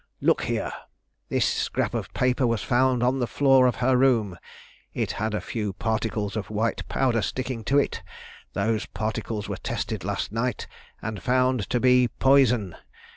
look here! This scrap of paper was found on the floor of her room; it had a few particles of white powder sticking to it; those particles were tested last night and found to be poison.